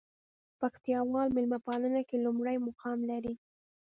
پکتياوال ميلمه پالنه کې لومړى مقام لري.